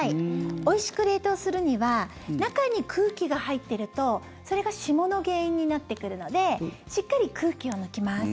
おいしく冷凍するには中に空気が入っているとそれが霜の原因になってくるのでしっかり空気を抜きます。